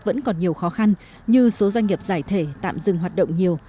vẫn còn nhiều khó khăn như số doanh nghiệp giải thể tạm dừng hoạt động nhiều